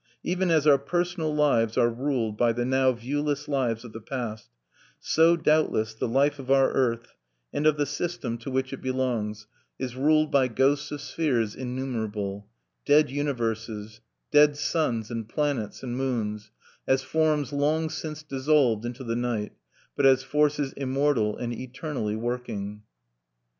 Even as our personal lives are ruled by the now viewless lives of the past, so doubtless the life of our Earth, and of the system to which it belongs, is ruled by ghosts of spheres innumerable: dead universes, dead suns and planets and moons, as forms long since dissolved into the night, but as forces immortal and eternally working.